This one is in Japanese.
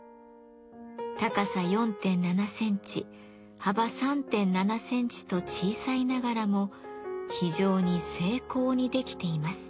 高さ４．７センチ幅３．７センチと小さいながらも非常に精巧に出来ています。